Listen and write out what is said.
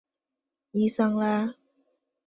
伊桑拉。